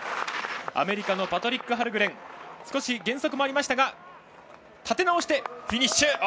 アメリカのパトリック・ハルグレン減速もありましたが立て直してフィニッシュ。